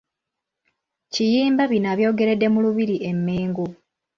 Kiyimba bino abyogeredde mu Lubiri e Mmengo.